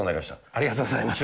ありがとうございます。